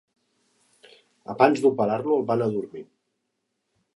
Abans d'operar-lo el van adormir.